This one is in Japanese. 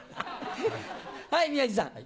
はい宮治さん。